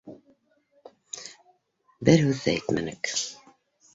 Бер һүҙ ҙә әйтмәнек.